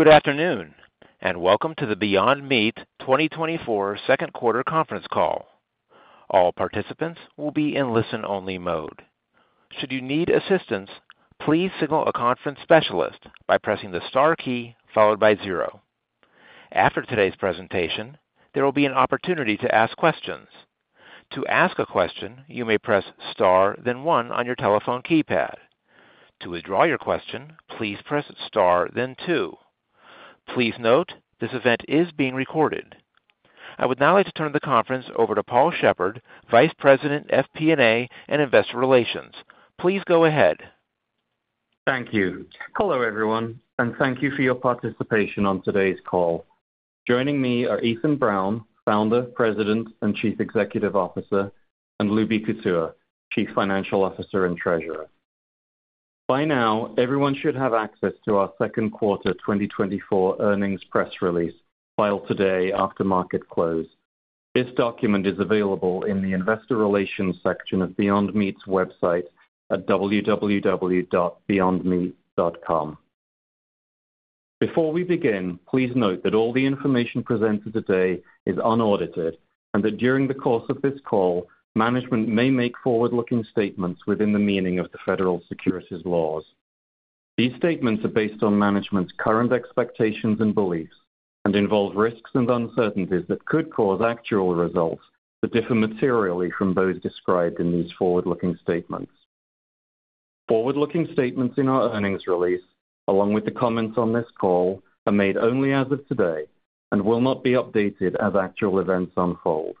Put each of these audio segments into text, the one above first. Good afternoon, and welcome to the Beyond Meat 2024 Second Quarter Conference Call. All participants will be in listen-only mode. Should you need assistance, please signal a conference specialist by pressing the star key followed by zero. After today's presentation, there will be an opportunity to ask questions. To ask a question, you may press Star, then one on your telephone keypad. To withdraw your question, please press Star, then two. Please note, this event is being recorded. I would now like to turn the conference over to Paul Sheppard, Vice President, FP&A and Investor Relations. Please go ahead. Thank you. Hello, everyone, and thank you for your participation on today's call. Joining me are Ethan Brown, Founder, President, and Chief Executive Officer, and Lubi Kutua, Chief Financial Officer and Treasurer. By now, everyone should have access to our second quarter 2024 earnings press release, filed today after market close. This document is available in the Investor Relations section of Beyond Meat's website at www.beyondmeat.com. Before we begin, please note that all the information presented today is unaudited and that during the course of this call, management may make forward-looking statements within the meaning of the federal securities laws. These statements are based on management's current expectations and beliefs and involve risks and uncertainties that could cause actual results to differ materially from those described in these forward-looking statements. Forward-looking statements in our earnings release, along with the comments on this call, are made only as of today and will not be updated as actual events unfold.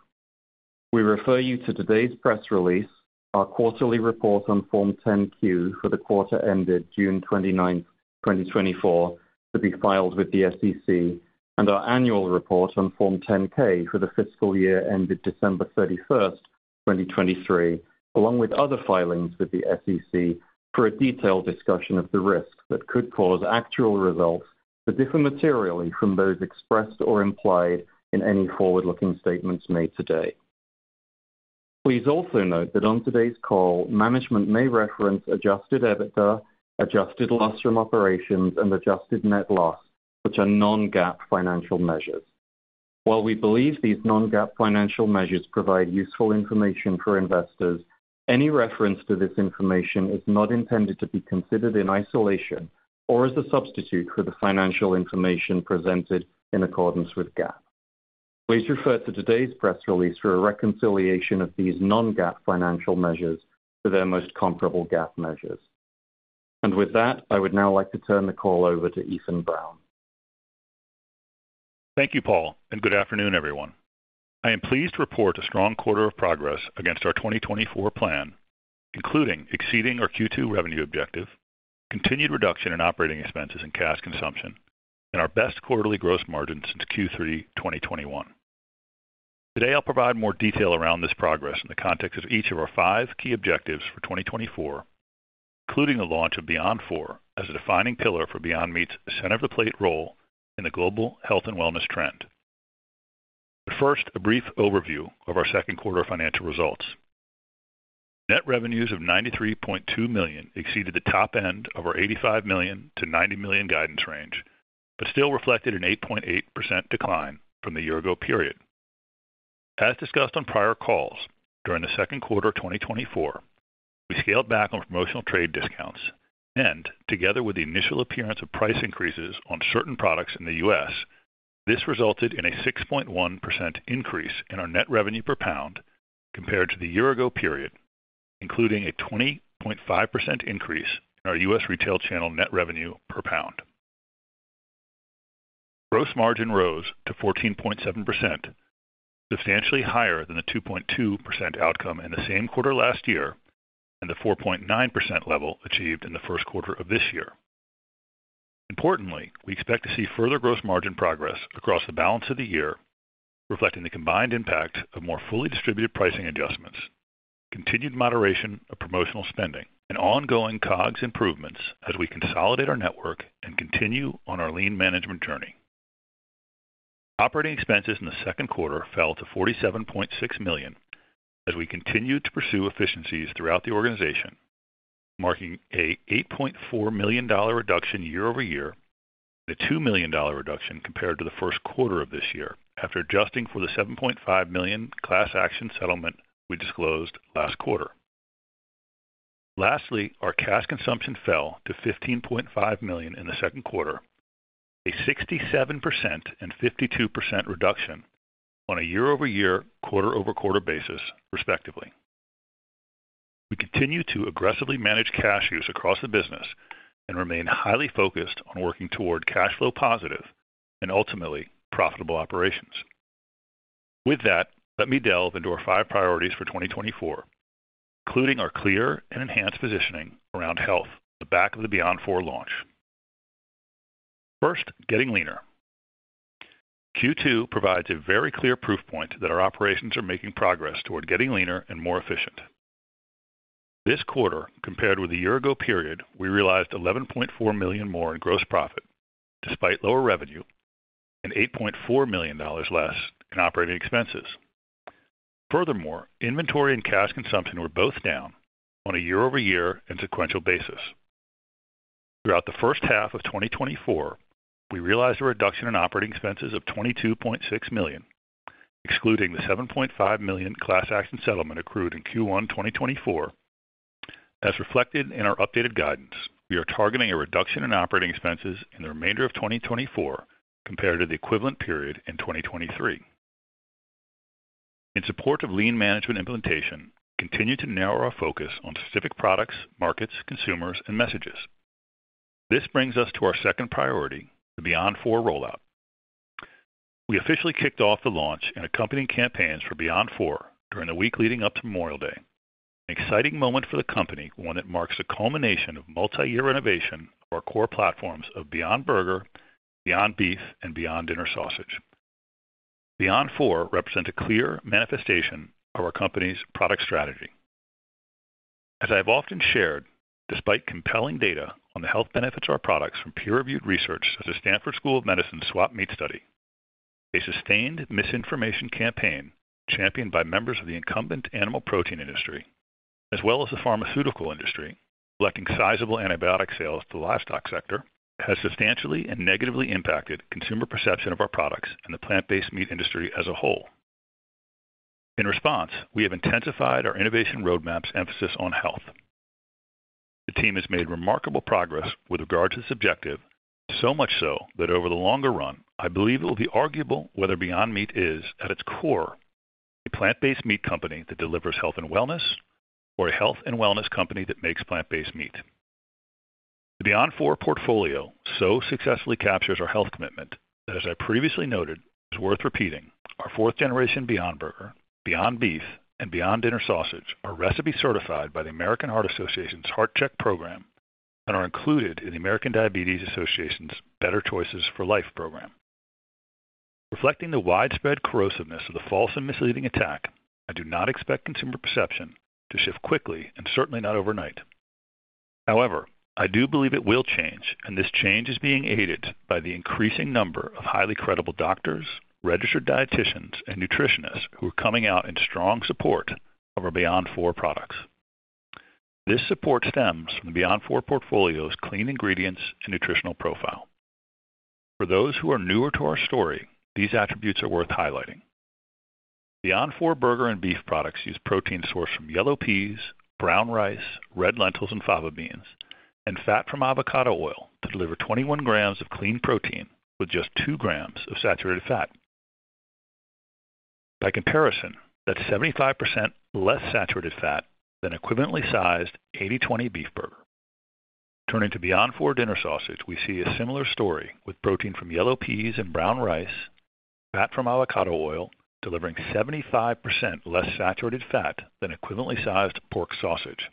We refer you to today's press release, our quarterly report on Form 10-Q for the quarter ended June 29, 2024, to be filed with the SEC, and our annual report on Form 10-K for the fiscal year ended December 31, 2023, along with other filings with the SEC for a detailed discussion of the risks that could cause actual results to differ materially from those expressed or implied in any forward-looking statements made today. Please also note that on today's call, management may reference Adjusted EBITDA, adjusted loss from operations, and adjusted net loss, which are non-GAAP financial measures. While we believe these non-GAAP financial measures provide useful information for investors, any reference to this information is not intended to be considered in isolation or as a substitute for the financial information presented in accordance with GAAP. Please refer to today's press release for a reconciliation of these non-GAAP financial measures to their most comparable GAAP measures. With that, I would now like to turn the call over to Ethan Brown. Thank you, Paul, and good afternoon, everyone. I am pleased to report a strong quarter of progress against our 2024 plan, including exceeding our Q2 revenue objective, continued reduction in operating expenses and cash consumption, and our best quarterly gross margin since Q3 2021. Today, I'll provide more detail around this progress in the context of each of our five key objectives for 2024, including the launch of Beyond IV as a defining pillar for Beyond Meat's center of the plate role in the global health and wellness trend. But first, a brief overview of our second quarter financial results. Net revenues of $93.2 million exceeded the top end of our $85 million-$90 million guidance range, but still reflected an 8.8% decline from the year-ago period. As discussed on prior calls, during the second quarter of 2024, we scaled back on promotional trade discounts, and together with the initial appearance of price increases on certain products in the U.S., this resulted in a 6.1% increase in our net revenue per pound compared to the year ago period, including a 20.5% increase in our U.S. retail channel net revenue per pound. Gross margin rose to 14.7%, substantially higher than the 2.2% outcome in the same quarter last year and the 4.9% level achieved in the first quarter of this year. Importantly, we expect to see further gross margin progress across the balance of the year, reflecting the combined impact of more fully distributed pricing adjustments, continued moderation of promotional spending, and ongoing COGS improvements as we consolidate our network and continue on our lean management journey. Operating expenses in the second quarter fell to $47.6 million as we continued to pursue efficiencies throughout the organization, marking an $8.4 million reduction year over year, and a $2 million reduction compared to the first quarter of this year after adjusting for the $7.5 million class action settlement we disclosed last quarter. Lastly, our cash consumption fell to $15.5 million in the second quarter, a 67% and 52% reduction on a year-over-year, quarter-over-quarter basis, respectively. We continue to aggressively manage cash use across the business and remain highly focused on working toward cash flow positive and ultimately profitable operations. With that, let me delve into our five priorities for 2024, including our clear and enhanced positioning around health at the back of the Beyond IV launch. First, getting leaner. Q2 provides a very clear proof point that our operations are making progress toward getting leaner and more efficient. This quarter, compared with the year ago period, we realized $11.4 million more in gross profit, despite lower revenue and $8.4 million less in operating expenses. Furthermore, inventory and cash consumption were both down on a year-over-year and sequential basis. Throughout the first half of 2024, we realized a reduction in operating expenses of $22.6 million, excluding the $7.5 million class action settlement accrued in Q1 2024. As reflected in our updated guidance, we are targeting a reduction in operating expenses in the remainder of 2024 compared to the equivalent period in 2023. In support of lean management implementation, we continue to narrow our focus on specific products, markets, consumers, and messages. This brings us to our second priority, the Beyond IV rollout. We officially kicked off the launch and accompanying campaigns for Beyond IV during the week leading up to Memorial Day. An exciting moment for the company, one that marks a culmination of multi-year innovation for our core platforms of Beyond Burger, Beyond Beef, and Beyond Dinner Sausage. Beyond IV represent a clear manifestation of our company's product strategy. As I've often shared, despite compelling data on the health benefits of our products from peer-reviewed research such as Stanford School of Medicine's SWAP-MEAT Study, a sustained misinformation campaign championed by members of the incumbent animal protein industry as well as the pharmaceutical industry, relying on sizable antibiotic sales to the livestock sector, has substantially and negatively impacted consumer perception of our products and the plant-based meat industry as a whole. In response, we have intensified our innovation roadmap's emphasis on health. The team has made remarkable progress with regards to this objective, so much so that over the longer run, I believe it will be arguable whether Beyond Meat is, at its core, a plant-based meat company that delivers health and wellness, or a health and wellness company that makes plant-based meat. The Beyond IV portfolio so successfully captures our health commitment that, as I previously noted, is worth repeating. Our fourth generation Beyond Burger, Beyond Beef, and Beyond Dinner Sausage are recipe-certified by the American Heart Association's Heart-Check Program and are included in the American Diabetes Association's Better Choices for Life program. Reflecting the widespread corrosiveness of the false and misleading attack, I do not expect consumer perception to shift quickly and certainly not overnight. However, I do believe it will change, and this change is being aided by the increasing number of highly credible doctors, registered dietitians, and nutritionists who are coming out in strong support of our Beyond IV products. This support stems from the Beyond IV portfolio's clean ingredients and nutritional profile. For those who are newer to our story, these attributes are worth highlighting. Beyond IV Burger and Beef products use protein sourced from yellow peas, brown rice, red lentils, and faba beans, and fat from avocado oil to deliver 21 grams of clean protein with just 2 grams of saturated fat. By comparison, that's 75% less saturated fat than equivalently sized 80/20 beef burger. Turning to Beyond IV Dinner Sausage, we see a similar story with protein from yellow peas and brown rice, fat from avocado oil, delivering 75% less saturated fat than equivalently sized pork sausage.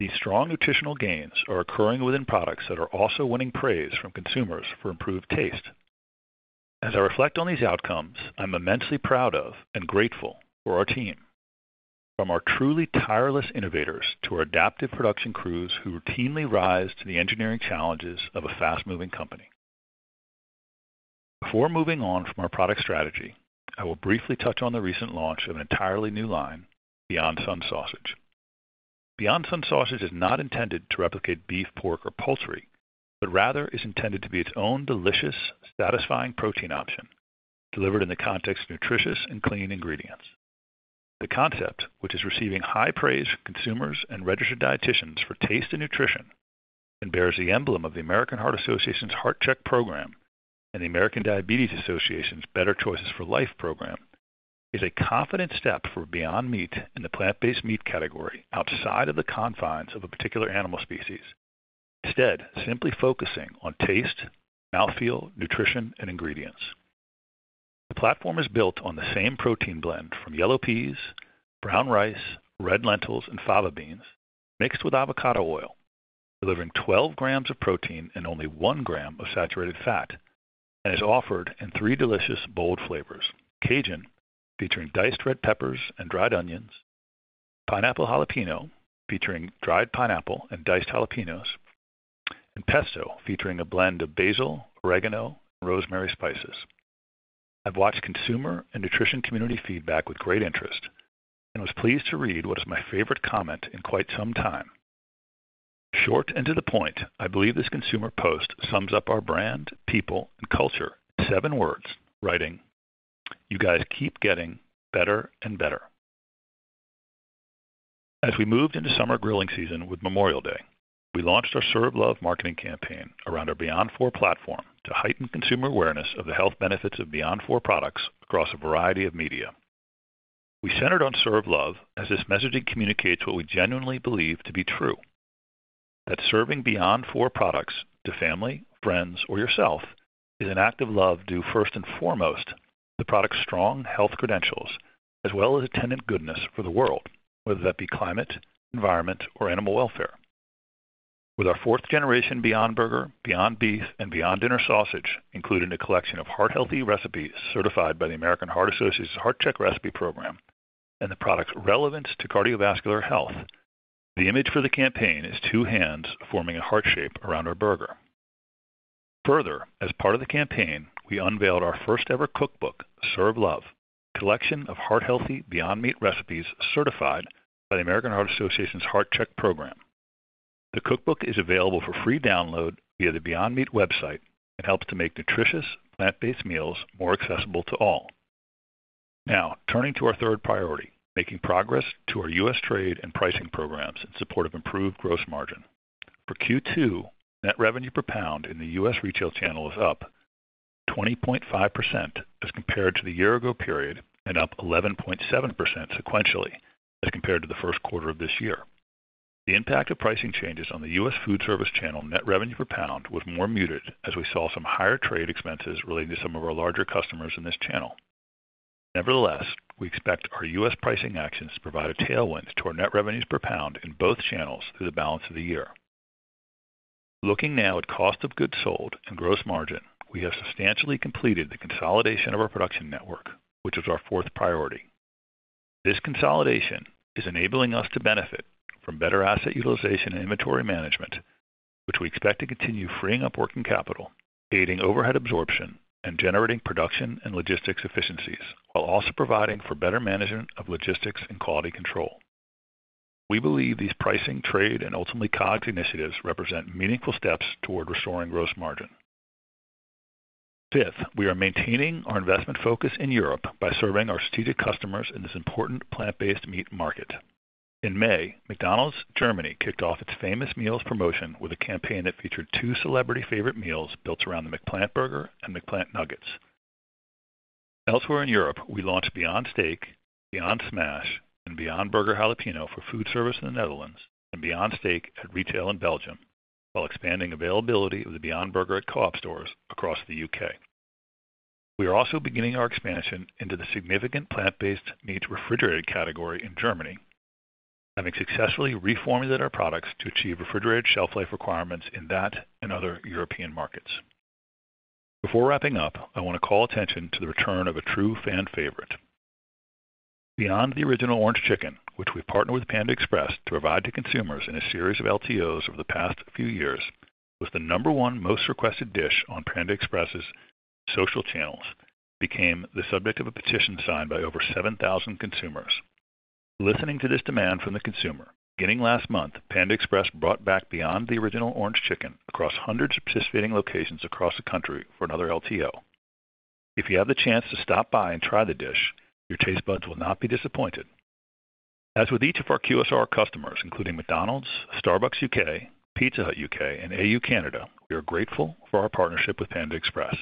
These strong nutritional gains are occurring within products that are also winning praise from consumers for improved taste. As I reflect on these outcomes, I'm immensely proud of and grateful for our team, from our truly tireless innovators to our adaptive production crews who routinely rise to the engineering challenges of a fast-moving company. Before moving on from our product strategy, I will briefly touch on the recent launch of an entirely new line, Beyond Sun Sausage. Beyond Sun Sausage is not intended to replicate beef, pork, or poultry, but rather is intended to be its own delicious, satisfying protein option delivered in the context of nutritious and clean ingredients. The concept, which is receiving high praise from consumers and registered dietitians for taste and nutrition, and bears the emblem of the American Heart Association's Heart-Check Program and the American Diabetes Association's Better Choices for Life program, is a confident step for Beyond Meat in the plant-based meat category outside of the confines of a particular animal species. Instead, simply focusing on taste, mouthfeel, nutrition, and ingredients. The platform is built on the same protein blend from yellow peas, brown rice, red lentils, and faba beans, mixed with avocado oil, delivering 12 grams of protein and only 1 gram of saturated fat, and is offered in 3 delicious, bold flavors: Cajun, featuring diced red peppers and dried onions, Pineapple Jalapeño, featuring dried pineapple and diced jalapeños, and Pesto, featuring a blend of basil, oregano, and rosemary spices. I've watched consumer and nutrition community feedback with great interest and was pleased to read what is my favorite comment in quite some time. Short and to the point, I believe this consumer post sums up our brand, people, and culture in seven words, writing, "You guys keep getting better and better." As we moved into summer grilling season with Memorial Day, we launched our Serve Love marketing campaign around our Beyond IV platform to heighten consumer awareness of the health benefits of Beyond IV products across a variety of media. We centered on Serve Love as this messaging communicates what we genuinely believe to be true, that serving Beyond IV products to family, friends, or yourself is an act of love due first and foremost to the product's strong health credentials, as well as attendant goodness for the world, whether that be climate, environment, or animal welfare. With our fourth generation Beyond Burger, Beyond Beef, and Beyond Dinner Sausage, including a collection of heart-healthy recipes certified by the American Heart Association's Heart-Check Recipe program and the product's relevance to cardiovascular health, the image for the campaign is two hands forming a heart shape around our burger. Further, as part of the campaign, we unveiled our first-ever cookbook, Serve Love, a collection of heart-healthy Beyond Meat recipes certified by the American Heart Association's Heart-Check program. The cookbook is available for free download via the Beyond Meat website and helps to make nutritious, plant-based meals more accessible to all. Now, turning to our third priority, making progress to our U.S. trade and pricing programs in support of improved gross margin. For Q2, net revenue per pound in the U.S. retail channel is up 20.5% as compared to the year-ago period and up 11.7% sequentially as compared to the first quarter of this year. The impact of pricing changes on the U.S. foodservice channel net revenue per pound was more muted, as we saw some higher trade expenses related to some of our larger customers in this channel. Nevertheless, we expect our U.S. pricing actions to provide a tailwind to our net revenues per pound in both channels through the balance of the year. Looking now at cost of goods sold and gross margin, we have substantially completed the consolidation of our production network, which is our fourth priority. This consolidation is enabling us to benefit from better asset utilization and inventory management, which we expect to continue freeing up working capital, aiding overhead absorption, and generating production and logistics efficiencies, while also providing for better management of logistics and quality control. We believe these pricing, trade, and ultimately COGS initiatives represent meaningful steps toward restoring gross margin. Fifth, we are maintaining our investment focus in Europe by serving our strategic customers in this important plant-based meat market. In May, McDonald's Germany kicked off its famous meals promotion with a campaign that featured two celebrity favorite meals built around the McPlant burger and McPlant Nuggets. Elsewhere in Europe, we launched Beyond Steak, Beyond Smash, and Beyond Burger Jalapeño for foodservice in the Netherlands and Beyond Steak at retail in Belgium, while expanding availability of the Beyond Burger at Co-op stores across the U.K. We are also beginning our expansion into the significant plant-based meat refrigerated category in Germany, having successfully reformulated our products to achieve refrigerated shelf life requirements in that and other European markets. Before wrapping up, I want to call attention to the return of a true fan favorite. Beyond The Original Orange Chicken, which we partnered with Panda Express to provide to consumers in a series of LTOs over the past few years, was the number one most requested dish on Panda Express's social channels, became the subject of a petition signed by over 7,000 consumers. Listening to this demand from the consumer, beginning last month, Panda Express brought back Beyond The Original Orange Chicken across hundreds of participating locations across the country for another LTO. If you have the chance to stop by and try the dish, your taste buds will not be disappointed. As with each of our QSR customers, including McDonald's, Starbucks U.K., Pizza Hut U.K., and A&W Canada, we are grateful for our partnership with Panda Express.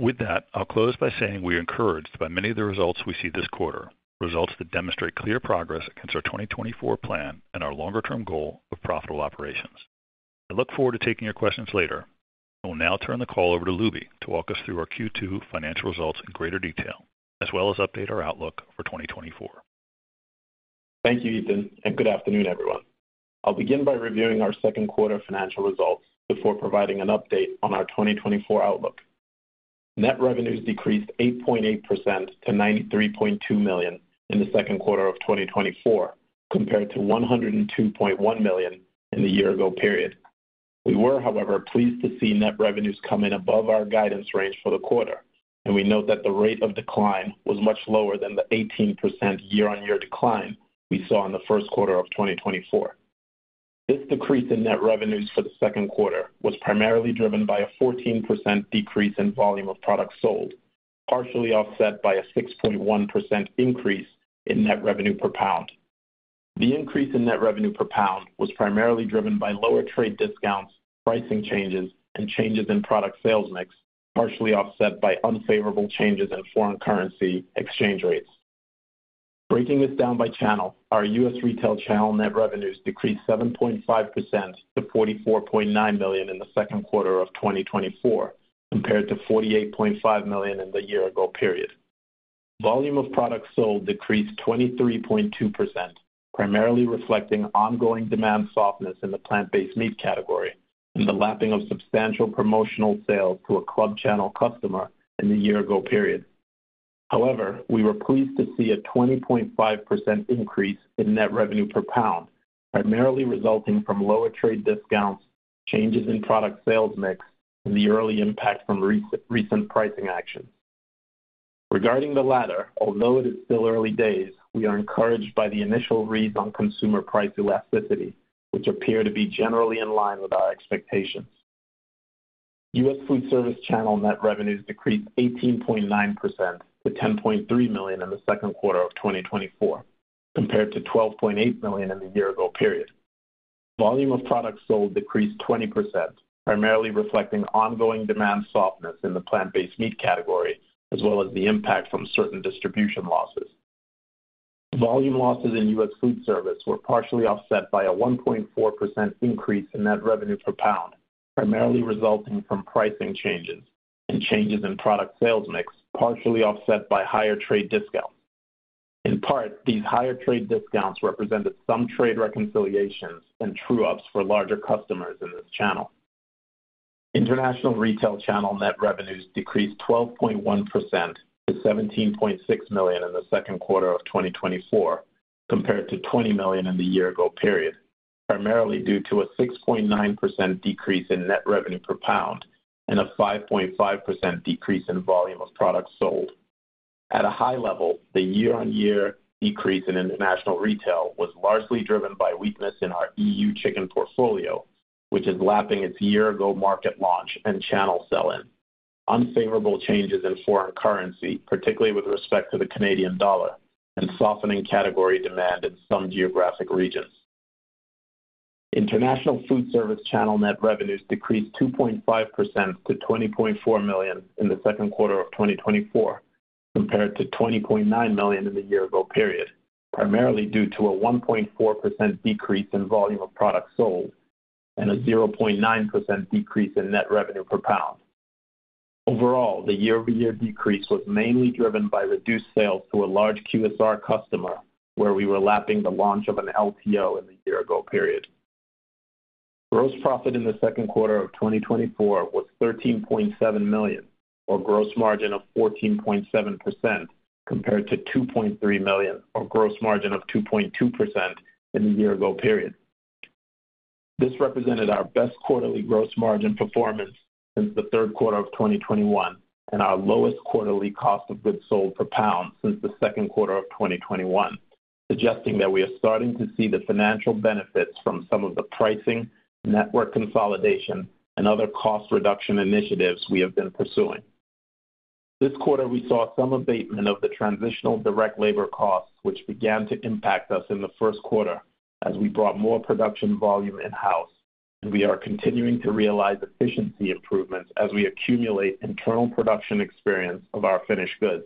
With that, I'll close by saying we are encouraged by many of the results we see this quarter, results that demonstrate clear progress against our 2024 plan and our longer-term goal of profitable operations. I look forward to taking your questions later. I will now turn the call over to Lubi to walk us through our Q2 financial results in greater detail, as well as update our outlook for 2024. Thank you, Ethan, and good afternoon, everyone. I'll begin by reviewing our second quarter financial results before providing an update on our 2024 outlook. Net revenues decreased 8.8% to $93.2 million in the second quarter of 2024, compared to $102.1 million in the year-ago period. We were, however, pleased to see net revenues come in above our guidance range for the quarter, and we note that the rate of decline was much lower than the 18% year-on-year decline we saw in the first quarter of 2024. This decrease in net revenues for the second quarter was primarily driven by a 14% decrease in volume of products sold, partially offset by a 6.1% increase in net revenue per pound. The increase in net revenue per pound was primarily driven by lower trade discounts, pricing changes, and changes in product sales mix, partially offset by unfavorable changes in foreign currency exchange rates. Breaking this down by channel, our U.S. retail channel net revenues decreased 7.5% to $44.9 million in the second quarter of 2024, compared to $48.5 million in the year-ago period. Volume of products sold decreased 23.2%, primarily reflecting ongoing demand softness in the plant-based meat category and the lapping of substantial promotional sales to a club channel customer in the year-ago period. However, we were pleased to see a 20.5% increase in net revenue per pound, primarily resulting from lower trade discounts, changes in product sales mix, and the early impact from recent pricing actions. Regarding the latter, although it is still early days, we are encouraged by the initial reads on consumer price elasticity, which appear to be generally in line with our expectations. U.S. foodservice channel net revenues decreased 18.9% to $10.3 million in the second quarter of 2024, compared to $12.8 million in the year-ago period. Volume of products sold decreased 20%, primarily reflecting ongoing demand softness in the plant-based meat category, as well as the impact from certain distribution losses. Volume losses in U.S. foodservice were partially offset by a 1.4% increase in net revenue per pound, primarily resulting from pricing changes and changes in product sales mix, partially offset by higher trade discounts. In part, these higher trade discounts represented some trade reconciliations and true-ups for larger customers in this channel. International retail channel net revenues decreased 12.1% to $17.6 million in the second quarter of 2024, compared to $20 million in the year-ago period, primarily due to a 6.9% decrease in net revenue per pound and a 5.5% decrease in volume of products sold. At a high level, the year-on-year decrease in international retail was largely driven by weakness in our EU chicken portfolio, which is lapping its year-ago market launch and channel sell-in. Unfavorable changes in foreign currency, particularly with respect to the Canadian dollar, and softening category demand in some geographic regions. International foodservice channel net revenues decreased 2.5% to $20.4 million in the second quarter of 2024, compared to $20.9 million in the year-ago period, primarily due to a 1.4% decrease in volume of products sold and a 0.9% decrease in net revenue per pound. Overall, the year-over-year decrease was mainly driven by reduced sales to a large QSR customer, where we were lapping the launch of an LTO in the year-ago period. Gross profit in the second quarter of 2024 was $13.7 million, or gross margin of 14.7%, compared to $2.3 million, or gross margin of 2.2% in the year-ago period. This represented our best quarterly gross margin performance since the third quarter of 2021, and our lowest quarterly cost of goods sold per pound since the second quarter of 2021, suggesting that we are starting to see the financial benefits from some of the pricing, network consolidation, and other cost reduction initiatives we have been pursuing. This quarter, we saw some abatement of the transitional direct labor costs, which began to impact us in the first quarter as we brought more production volume in-house, and we are continuing to realize efficiency improvements as we accumulate internal production experience of our finished goods.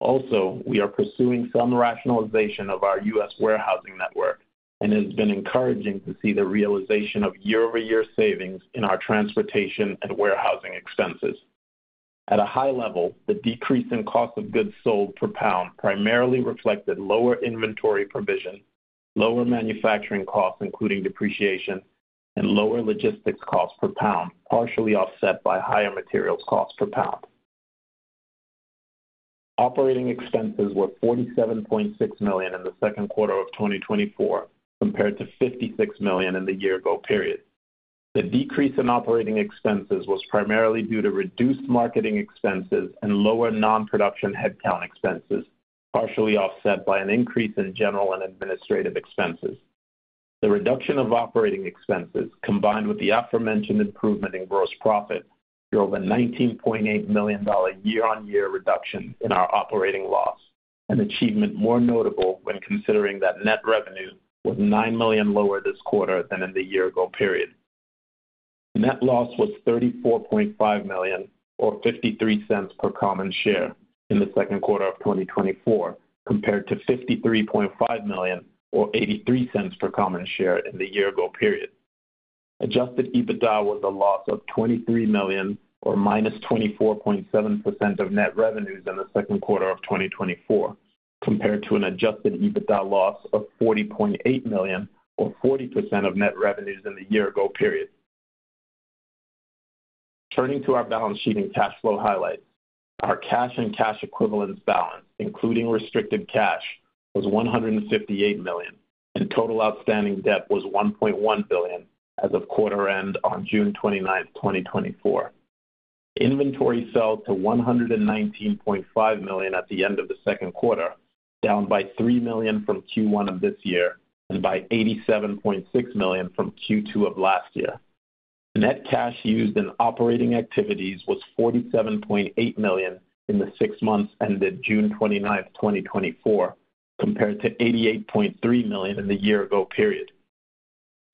Also, we are pursuing some rationalization of our U.S. warehousing network, and it has been encouraging to see the realization of year-over-year savings in our transportation and warehousing expenses. At a high level, the decrease in cost of goods sold per pound primarily reflected lower inventory provision, lower manufacturing costs, including depreciation, and lower logistics costs per pound, partially offset by higher materials costs per pound. Operating expenses were $47.6 million in the second quarter of 2024, compared to $56 million in the year-ago period. The decrease in operating expenses was primarily due to reduced marketing expenses and lower non-production headcount expenses, partially offset by an increase in general and administrative expenses. The reduction of operating expenses, combined with the aforementioned improvement in gross profit, drove a $19.8 million year-on-year reduction in our operating loss, an achievement more notable when considering that net revenues were $9 million lower this quarter than in the year-ago period. Net loss was $34.5 million, or $0.53 per common share in the second quarter of 2024, compared to $53.5 million, or $0.83 per common share in the year-ago period. Adjusted EBITDA was a loss of $23 million or -24.7% of net revenues in the second quarter of 2024, compared to an adjusted EBITDA loss of $40.8 million, or 40% of net revenues in the year-ago period. Turning to our balance sheet and cash flow highlights. Our cash and cash equivalents balance, including restricted cash, was $158 million, and total outstanding debt was $1.1 billion as of quarter end on June 29, 2024. Inventory fell to $119.5 million at the end of the second quarter, down by $3 million from Q1 of this year and by $87.6 million from Q2 of last year. Net cash used in operating activities was $47.8 million in the six months ended June 29, 2024, compared to $88.3 million in the year-ago period.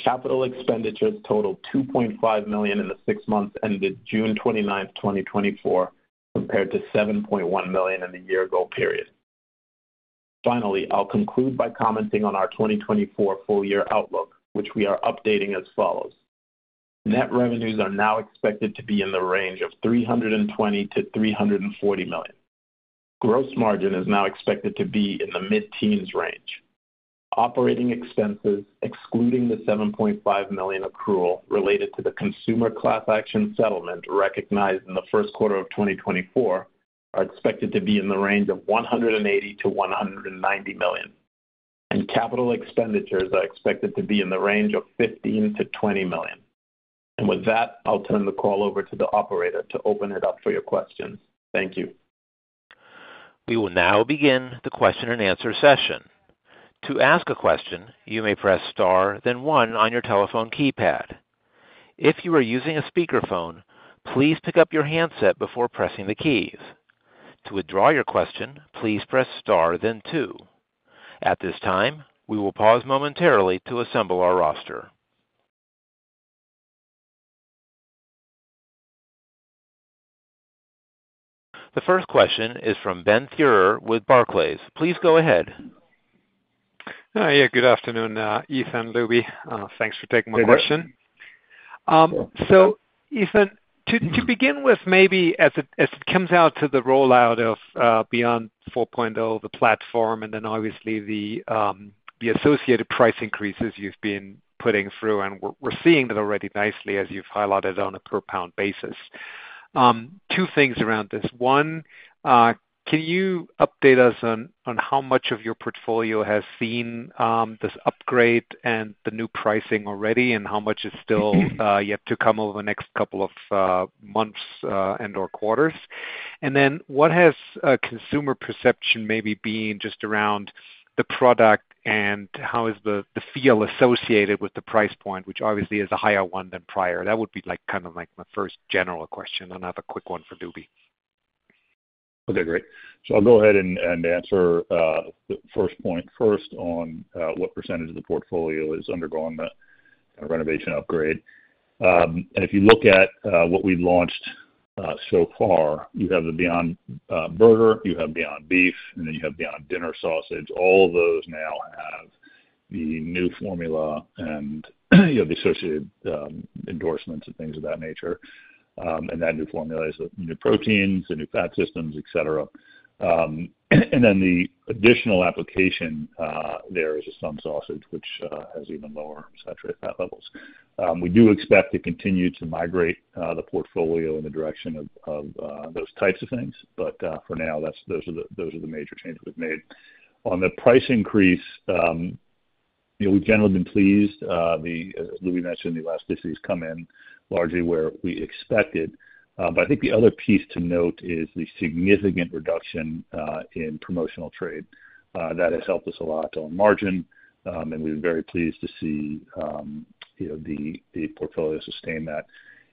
Capital expenditures totaled $2.5 million in the six months ended June 29, 2024, compared to $7.1 million in the year-ago period. Finally, I'll conclude by commenting on our 2024 full year outlook, which we are updating as follows: Net revenues are now expected to be in the range of $320 million-$340 million. Gross margin is now expected to be in the mid-teens range. Operating expenses, excluding the $7.5 million accrual related to the consumer class action settlement recognized in the first quarter of 2024, are expected to be in the range of $180 million-$190 million. Capital expenditures are expected to be in the range of $15 million-$20 million. With that, I'll turn the call over to the operator to open it up for your questions. Thank you. We will now begin the question-and-answer session. To ask a question, you may press star, then one on your telephone keypad. If you are using a speakerphone, please pick up your handset before pressing the keys. To withdraw your question, please press star then two. At this time, we will pause momentarily to assemble our roster. The first question is from Ben Theurer with Barclays. Please go ahead. Yeah, good afternoon, Ethan, Lubi. Thanks for taking my question. So Ethan, to begin with, maybe as it comes out to the rollout of Beyond 4.0, the platform, and then obviously the associated price increases you've been putting through, and we're seeing that already nicely, as you've highlighted, on a per-pound basis. Two things around this. One, can you update us on how much of your portfolio has seen this upgrade and the new pricing already, and how much is still yet to come over the next couple of months and/or quarters? And then, what has consumer perception maybe been just around the product, and how is the feel associated with the price point, which obviously is a higher one than prior? That would be like, kind of like my first general question, another quick one for Lubi. Okay, great. So I'll go ahead and answer the first point first on what percentage of the portfolio is undergoing the renovation upgrade. And if you look at what we've launched so far, you have the Beyond Burger, you have Beyond Beef, and then you have Beyond Dinner Sausage. All of those now have the new formula and you have the associated endorsements and things of that nature. And that new formula is the new proteins, the new fat systems, et cetera. And then the additional application, there is Sun Sausage which has even lower saturated fat levels. We do expect to continue to migrate the portfolio in the direction of those types of things. But for now, that's those are the major changes we've made. On the price increase, you know, we've generally been pleased. As Lubi mentioned, the elasticity has come in largely where we expected. But I think the other piece to note is the significant reduction in promotional trade. That has helped us a lot on margin, and we're very pleased to see, you know, the portfolio sustain that.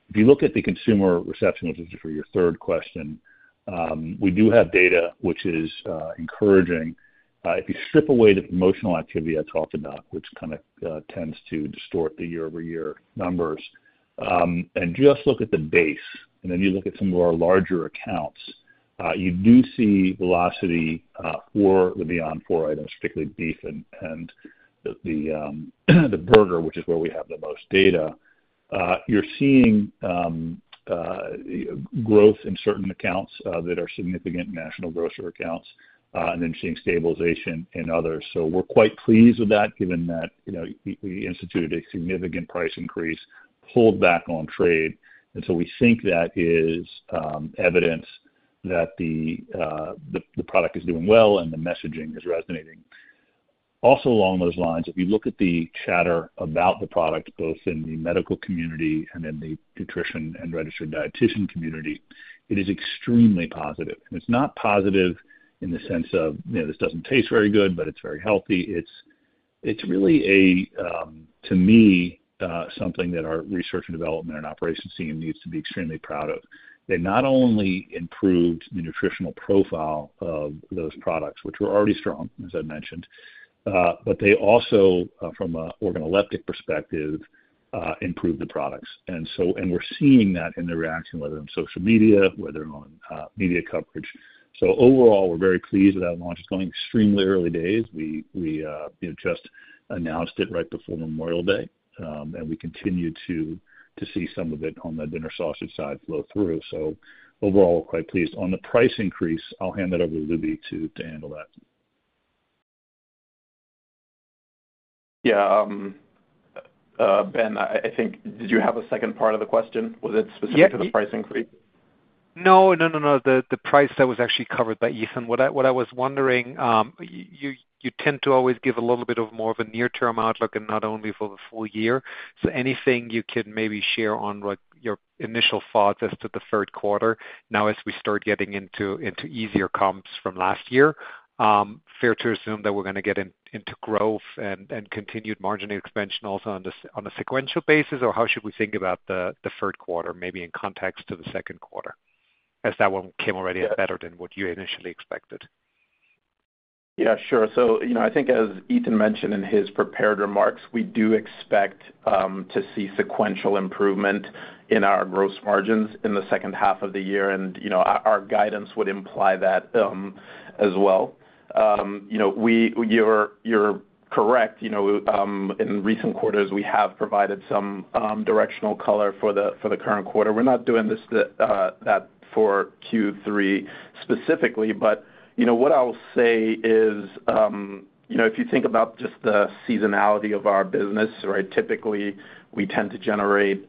If you look at the consumer reception, which is for your third question, we do have data which is encouraging. If you strip away the promotional activity I talked about, which kinda tends to distort the year-over-year numbers, and just look at the base, and then you look at some of our larger accounts, you do see velocity for the Beyond IV items, particularly Beef and the Burger, which is where we have the most data. You're seeing growth in certain accounts that are significant national grocery accounts, and then seeing stabilization in others. So we're quite pleased with that, given that, you know, we instituted a significant price increase, pulled back on trade, and so we think that is evidence that the product is doing well and the messaging is resonating. Also, along those lines, if you look at the chatter about the product, both in the medical community and in the nutrition and registered dietitian community, it is extremely positive. And it's not positive in the sense of, you know, this doesn't taste very good, but it's very healthy. It's really a, to me, something that our research and development and operations team needs to be extremely proud of. They not only improved the nutritional profile of those products, which were already strong, as I mentioned, but they also, from an organoleptic perspective, improved the products. And so, and we're seeing that in the reaction, whether on social media, whether on, media coverage. So overall, we're very pleased with how the launch is going. Extremely early days. We, you know, just announced it right before Memorial Day. We continue to see some of it on the Dinner Sausage side flow through, so overall, quite pleased. On the price increase, I'll hand it over to Lubi to handle that. Yeah, Ben, I think, did you have a second part of the question? Was it specific to the price increase? No, no, no, no. The price, that was actually covered by Ethan. What I was wondering, you tend to always give a little bit more of a near-term outlook and not only for the full year. So anything you can maybe share on what your initial thoughts as to the third quarter now, as we start getting into easier comps from last year? Fair to assume that we're gonna get into growth and continued margin expansion also on a sequential basis, or how should we think about the third quarter, maybe in context to the second quarter, as that one came already better than what you initially expected? Yeah, sure. So, you know, I think as Ethan mentioned in his prepared remarks, we do expect to see sequential improvement in our gross margins in the second half of the year. And, you know, our guidance would imply that as well. You know, you're correct, you know, in recent quarters, we have provided some directional color for the current quarter. We're not doing that for Q3 specifically, but, you know, what I'll say is, you know, if you think about just the seasonality of our business, right? Typically, we tend to generate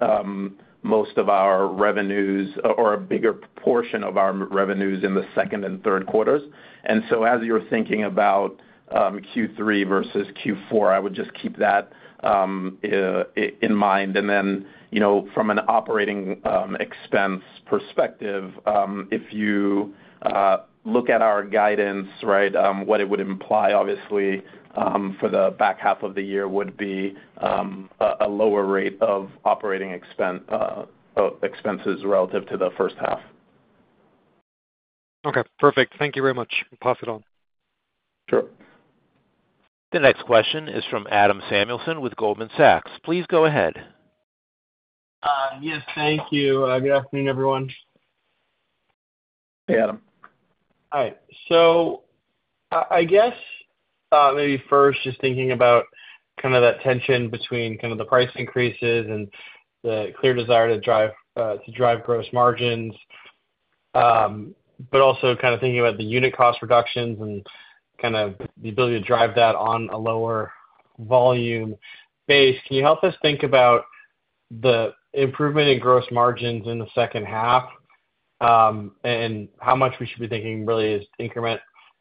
most of our revenues or a bigger proportion of our revenues in the second and third quarters. And so, as you're thinking about Q3 versus Q4, I would just keep that in mind. And then, you know, from an operating expense perspective, if you look at our guidance, right, what it would imply, obviously, for the back half of the year, would be a lower rate of operating expenses relative to the first half. Okay, perfect. Thank you very much. I'll pass it on. Sure. The next question is from Adam Samuelson with Goldman Sachs. Please go ahead. Yes, thank you. Good afternoon, everyone. Hey, Adam. All right. So I guess, maybe first, just thinking about kind of that tension between kind of the price increases and the clear desire to drive to drive gross margins, but also kind of thinking about the unit cost reductions and kind of the ability to drive that on a lower volume base, can you help us think about the improvement in gross margins in the second half? And how much we should be thinking really is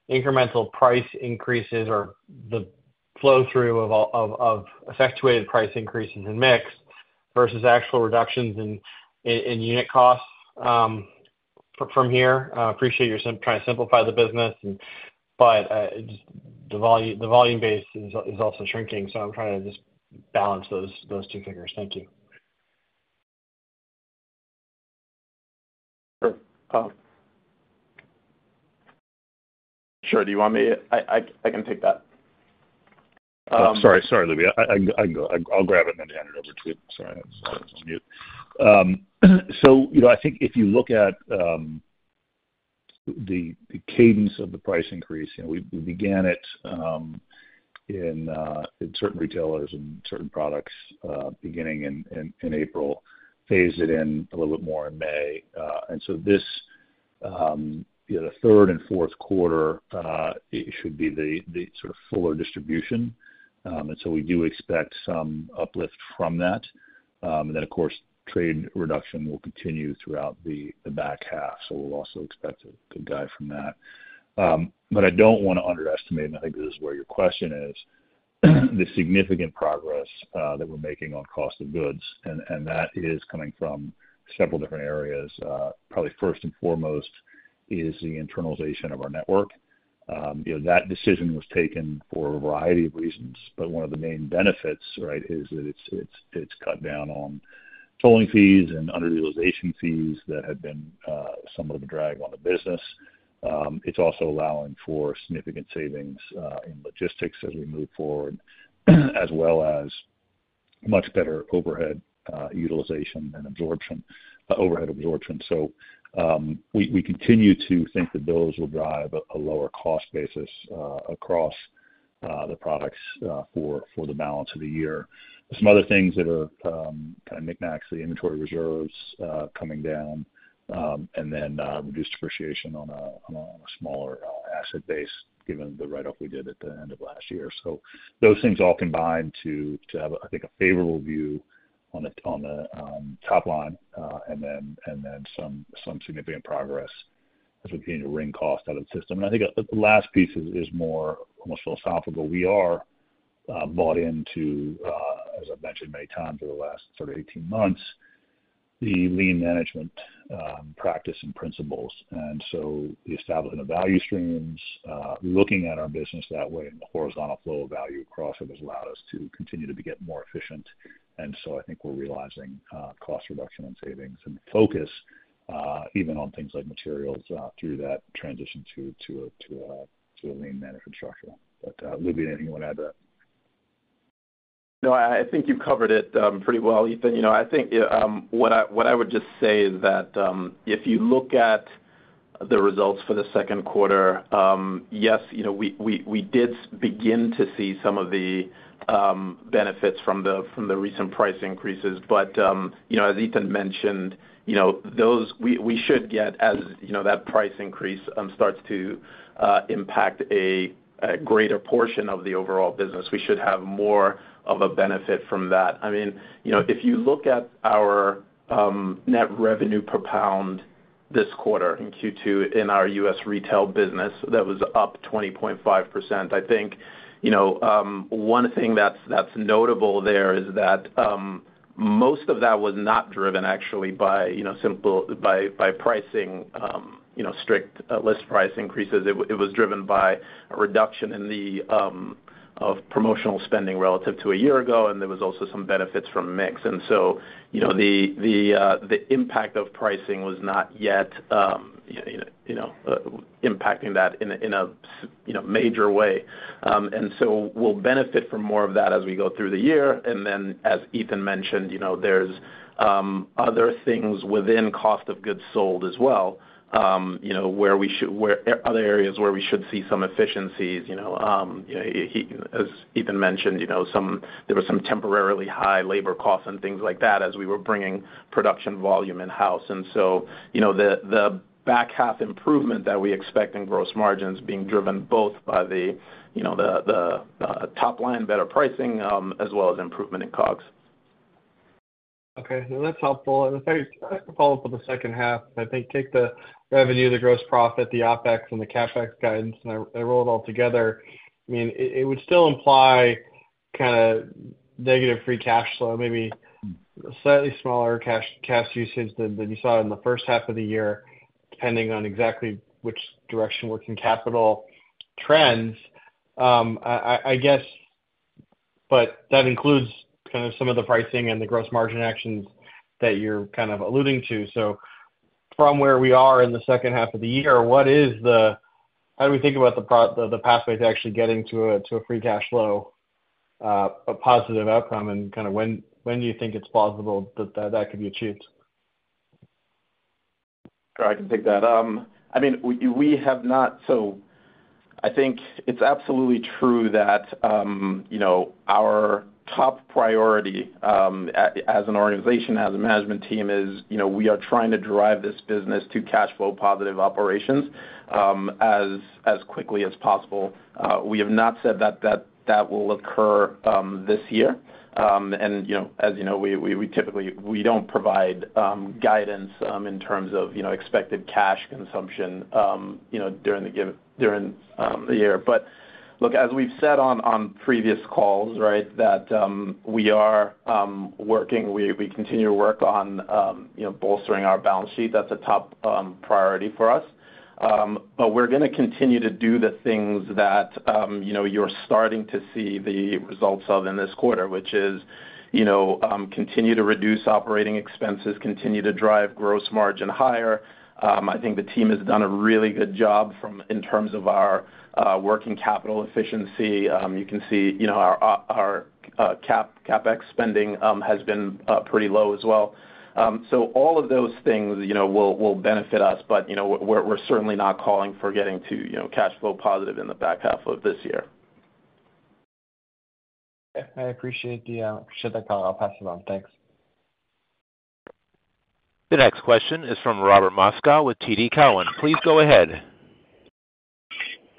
incremental price increases or the flow through of all effectuated price increases in mix versus actual reductions in unit costs from here? I appreciate you're trying to simplify the business, but just the volume base is also shrinking, so I'm trying to just balance those two figures. Thank you. Sure. Sure. Do you want me? I can take that. Sorry. Sorry, Lubi. I can go. I'll grab it and then hand it over to you. Sorry. I was on mute. So, you know, I think if you look at the cadence of the price increase, you know, we began it in certain retailers and certain products, beginning in April, phased it in a little bit more in May. And so this, you know, the third and fourth quarter, it should be the sort of fuller distribution. And so we do expect some uplift from that. And then of course, trade reduction will continue throughout the back half, so we'll also expect a good guide from that. But I don't want to underestimate, and I think this is where your question is, the significant progress that we're making on cost of goods, and that is coming from several different areas. Probably first and foremost is the internalization of our network. You know, that decision was taken for a variety of reasons, but one of the main benefits, right, is that it's cut down on tolling fees and underutilization fees that had been somewhat of a drag on the business. It's also allowing for significant savings in logistics as we move forward, as well as much better overhead utilization and absorption, overhead absorption. So, we continue to think that those will drive a lower cost basis across the products for the balance of the year. Some other things that are kind of knickknacks, the inventory reserves coming down, and then reduced depreciation on a smaller asset base, given the write-off we did at the end of last year. So those things all combine to have, I think, a favorable view on the top line, and then some significant progress as we continue to wring cost out of the system. And I think the last piece is more almost philosophical. We are bought into, as I've mentioned many times over the last sort of 18 months, the lean management practice and principles. And so the establishment of value streams looking at our business that way and the horizontal flow of value across it has allowed us to continue to get more efficient. And so I think we're realizing cost reduction and savings and focus, even on things like materials, through that transition to a lean management structure. But, Lubi, anything you want to add to that? No, I think you've covered it pretty well, Ethan. You know, I think what I would just say is that if you look at the results for the second quarter, yes, you know, we did begin to see some of the benefits from the recent price increases. But you know, as Ethan mentioned, you know, those, we should get as you know that price increase starts to impact a greater portion of the overall business, we should have more of a benefit from that. I mean, you know, if you look at our net revenue per pound this quarter, in Q2, in our U.S. retail business, that was up 20.5%. I think, you know, one thing that's notable there is that most of that was not driven actually by, you know, simply by pricing, you know, strict list price increases. It was driven by a reduction in promotional spending relative to a year ago, and there was also some benefits from mix. And so, you know, the impact of pricing was not yet impacting that in a major way. And so we'll benefit from more of that as we go through the year. And then, as Ethan mentioned, you know, there's other things within cost of goods sold as well, you know, where we should see some efficiencies. You know, as Ethan mentioned, you know, there were some temporarily high labor costs and things like that as we were bringing production volume in-house. And so, you know, the back half improvement that we expect in gross margins being driven both by the top line, better pricing, as well as improvement in COGS. Okay, well, that's helpful. And if I could follow up on the second half, I think take the revenue, the gross profit, the OpEx, and the CapEx guidance, and I roll it all together, I mean, it would still imply kind of negative free cash flow, maybe slightly smaller cash usage than you saw in the first half of the year, depending on exactly which direction working capital trends. I guess, but that includes kind of some of the pricing and the gross margin actions that you're kind of alluding to. So from where we are in the second half of the year, how do we think about the pathway to actually getting to a free cash flow positive outcome, and kind of when do you think it's plausible that could be achieved? Sure, I can take that. I mean, we have not. I think it's absolutely true that, you know, our top priority, as an organization, as a management team is, you know, we are trying to drive this business to cash flow positive operations, as quickly as possible. We have not said that that will occur this year. You know, as you know, we typically, we don't provide guidance in terms of, you know, expected cash consumption, you know, during the year. But look, as we've said on previous calls, right, that we are working. We continue to work on, you know, bolstering our balance sheet. That's a top priority for us. But we're gonna continue to do the things that, you know, you're starting to see the results of in this quarter, which is, you know, continue to reduce operating expenses, continue to drive gross margin higher. I think the team has done a really good job in terms of our working capital efficiency. You can see, you know, our CapEx spending has been pretty low as well. So all of those things, you know, will benefit us. But, you know, we're certainly not calling for getting to, you know, cash flow positive in the back half of this year. I appreciate the color. I'll pass it on. Thanks. The next question is from Robert Moskow with TD Cowen. Please go ahead.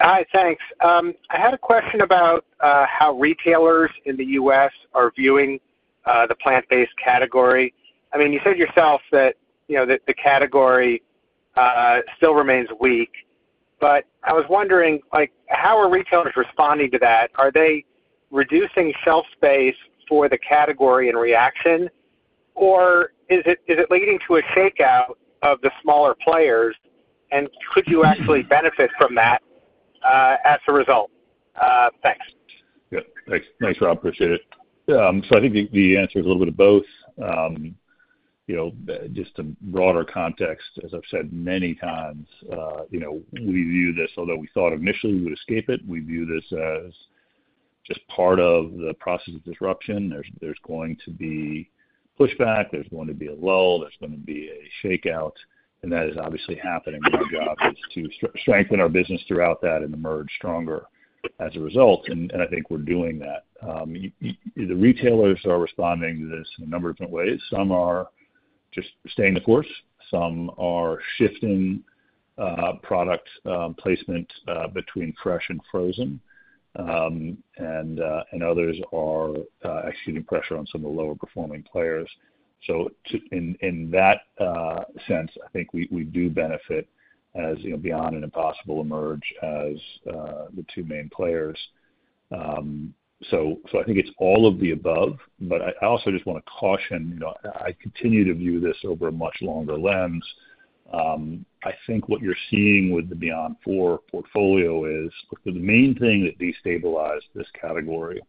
Hi, thanks. I had a question about how retailers in the U.S. are viewing the plant-based category. I mean, you said yourself that, you know, that the category still remains weak. But I was wondering, like, how are retailers responding to that? Are they reducing shelf space for the category in reaction, or is it leading to a shakeout of the smaller players, and could you actually benefit from that as a result? Thanks. Yeah. Thanks. Thanks, Rob. Appreciate it. So I think the answer is a little bit of both. You know, just a broader context, as I've said many times, you know, we view this, although we thought initially we would escape it, we view this as just part of the process of disruption. There's going to be pushback, there's going to be a lull, there's going to be a shakeout, and that is obviously happening. But our job is to strengthen our business throughout that and emerge stronger as a result, and I think we're doing that. The retailers are responding to this in a number of different ways. Some are just staying the course, some are shifting, product placement between fresh and frozen, and others are executing pressure on some of the lower performing players. In that sense, I think we do benefit, as you know, Beyond and Impossible emerge as the two main players. So I think it's all of the above, but I also just wanna caution, you know, I continue to view this over a much longer lens. I think what you're seeing with the Beyond IV portfolio is, look, the main thing that destabilized this category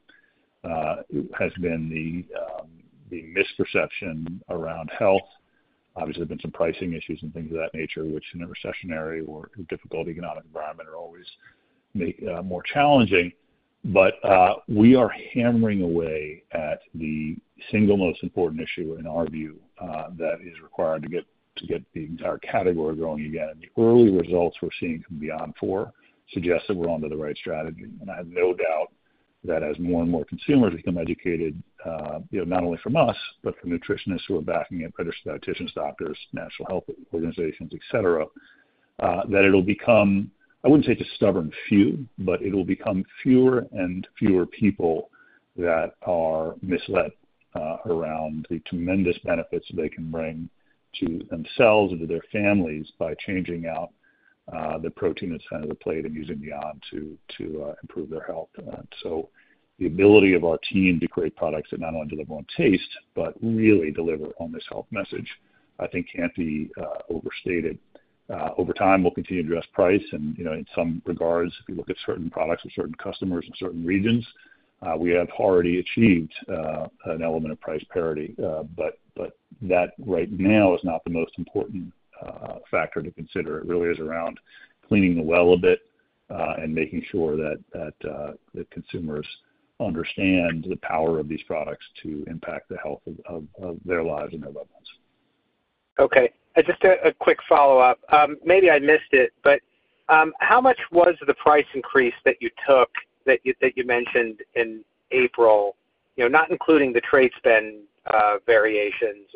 has been the misperception around health. Obviously, there's been some pricing issues and things of that nature, which in a recessionary or difficult economic environment, are always more challenging. But, we are hammering away at the single most important issue in our view, that is required to get, to get the entire category going again. The early results we're seeing from Beyond IV suggest that we're onto the right strategy, and I have no doubt that as more and more consumers become educated, you know, not only from us, but from nutritionists who are backing it, registered dietitians, doctors, national health organizations, et cetera, that it'll become, I wouldn't say just stubborn few, but it'll become fewer and fewer people that are misled, around the tremendous benefits they can bring to themselves and to their families by changing out, the protein that's on the plate and using Beyond to, to, improve their health. And so the ability of our team to create products that not only deliver on taste, but really deliver on this health message, I think can't be overstated. Over time, we'll continue to address price, and, you know, in some regards, if you look at certain products with certain customers in certain regions, we have already achieved an element of price parity. But that right now is not the most important factor to consider. It really is around cleaning the well a bit, and making sure that the consumers understand the power of these products to impact the health of their lives and their loved ones. Okay. Just a quick follow-up. Maybe I missed it, but how much was the price increase that you took, that you mentioned in April? You know, not including the trade spend variations,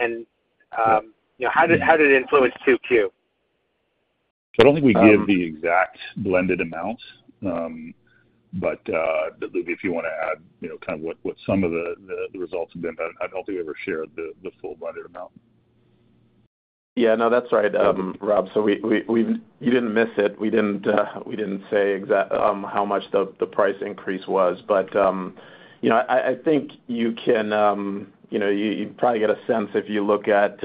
and you know, how did it influence 2Q? So I don't think we give the exact blended amounts, but if you want to add, you know, kind of what some of the results have been, but I don't think we ever shared the full blended amount. Yeah, no, that's right, Rob. So you didn't miss it. We didn't say how much the price increase was. But you know, I think you can, you know, you probably get a sense if you look at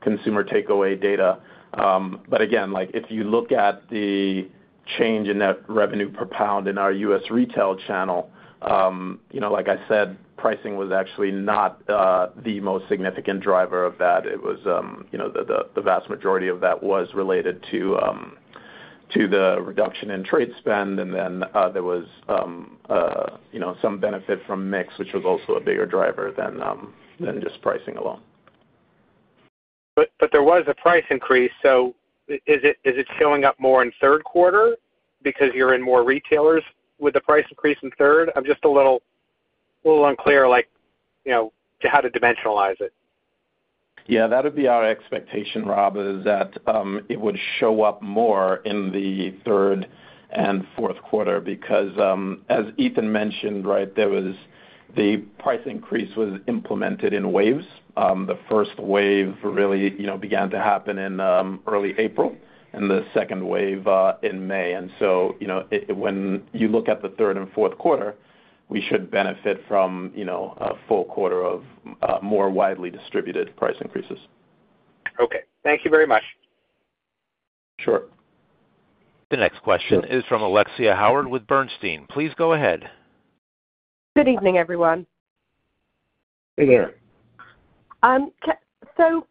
consumer takeaway data. But again, like if you look at the change in net revenue per pound in our U.S. retail channel, you know, like I said, pricing was actually not the most significant driver of that. It was you know, the vast majority of that was related to the reduction in trade spend. And then, there was you know, some benefit from mix, which was also a bigger driver than just pricing alone. But there was a price increase, so is it showing up more in third quarter because you're in more retailers with the price increase in third? I'm just a little unclear, like, you know, to how to dimensionalize it. Yeah, that would be our expectation, Rob, is that, it would show up more in the third and fourth quarter because, as Ethan mentioned, right, there was the price increase was implemented in waves. The first wave really, you know, began to happen in, early April, and the second wave, in May. And so, you know, it, when you look at the third and fourth quarter, we should benefit from, you know, a full quarter of, more widely distributed price increases. Okay, thank you very much. Sure. The next question is from Alexia Howard with Bernstein. Please go ahead. Good evening, everyone. Good evening. So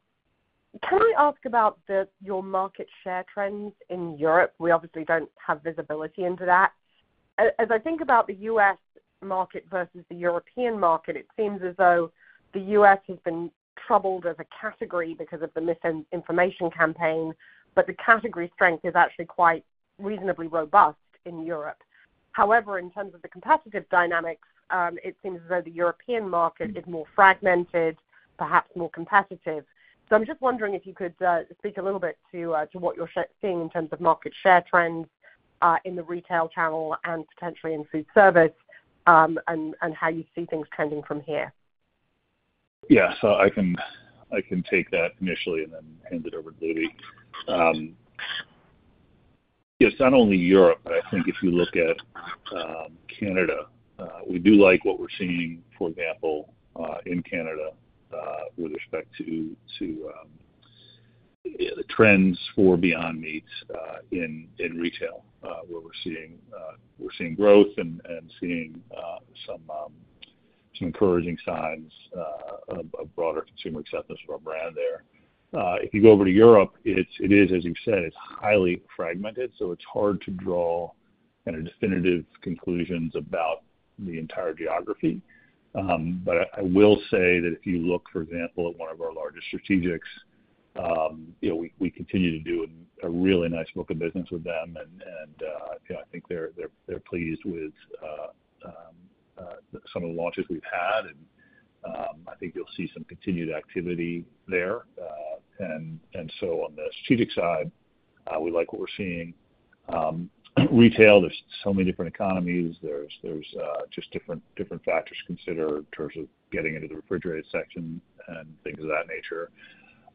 can I ask about your market share trends in Europe? We obviously don't have visibility into that. As I think about the U.S. market versus the European market, it seems as though the U.S. has been troubled as a category because of the misinformation campaign, but the category strength is actually quite reasonably robust in Europe. However, in terms of the competitive dynamics, it seems as though the European market is more fragmented, perhaps more competitive. So I'm just wondering if you could speak a little bit to what you're seeing in terms of market share trends in the retail channel and potentially in foodservice, and how you see things trending from here. Yeah. So I can, I can take that initially, and then hand it over to Lubi. It's not only Europe, but I think if you look at Canada, we do like what we're seeing, for example, in Canada, with respect to, to, the trends for Beyond Meat, in, in retail, where we're seeing, we're seeing growth and, and seeing, some, some encouraging signs, of, of broader consumer acceptance of our brand there. If you go over to Europe, it's, it is, as you said, it's highly fragmented, so it's hard to draw kind of definitive conclusions about the entire geography. But I will say that if you look, for example, at one of our largest strategics, you know, we continue to do a really nice book of business with them, and you know, I think they're pleased with some of the launches we've had, and I think you'll see some continued activity there. And so on the strategic side, we like what we're seeing. Retail, there's so many different economies. There's just different factors to consider in terms of getting into the refrigerated section and things of that nature.